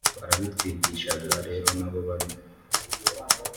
Barabitwigishaga rero na bo banarimo